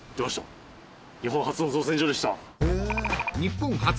日本初の造船所でした。